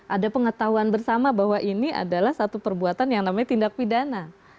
ada pengetahuan bersama bahwa ini adalah satu perbuatan yang namanya tindak pidana